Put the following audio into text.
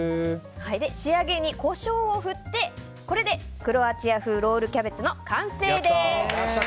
仕上げにコショウを振ってクロアチア風ロールキャベツの完成です。